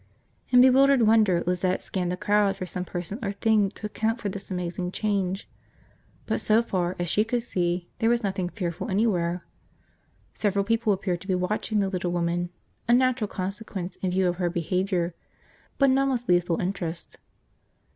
In bewildered wonder Lizette scanned the crowd for some person or thing to account for this amazing change. But so far as she could see there was nothing fearful anywhere. Several people appeared to be watching the little woman, a natural consequence in view of her behavior; but none with lethal interest.